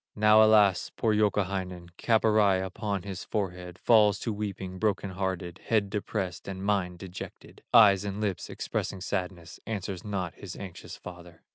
Now alas! poor Youkahainen, Cap awry upon his forehead, Falls to weeping, broken hearted, Head depressed and mind dejected, Eyes and lips expressing sadness, Answers not his anxious father.